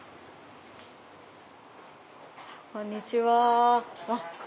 こんにちは。